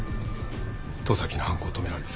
十崎の犯行止められず。